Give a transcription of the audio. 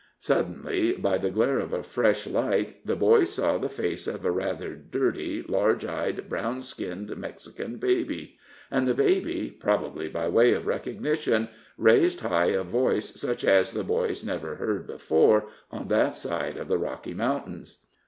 Suddenly, by the glare of a fresh light, the boys saw the face of a rather dirty, large eyed, brown skinned Mexican baby; and the baby, probably by way of recognition, raised high a voice such as the boys never heard before on that side of the Rocky Mountains.